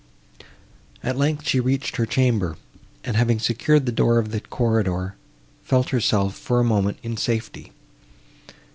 At length, she reached her chamber, and, having secured the door of the corridor, felt herself, for a moment, in safety.